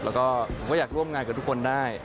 แล้วก็ผมก็อยากร่วมงานกับทุกคนได้